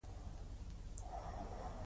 د دوي نيکه پيرداد خان چې پۀ ډنډ خان مشهور وو،